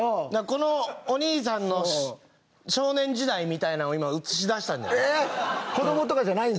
このお兄さんの少年時代みたいなんを今、映し出したんじゃない？